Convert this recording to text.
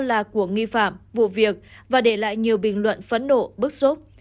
trang cá nhân được cho là của nghi phạm vụ việc và để lại nhiều bình luận phấn nộ bức xúc